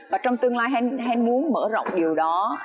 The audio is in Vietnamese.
và trong tương lai muốn mở rộng điều đó